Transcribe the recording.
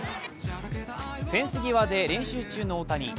フェンス際で練習中の大谷。